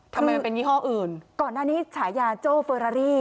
ทำไมมันเป็นยี่ห้ออื่นก่อนหน้านี้ฉายาโจ้เฟอรารี่